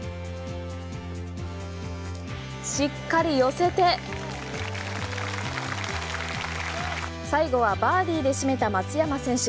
しっかり寄せて最後はバーディーで締めた松山選手。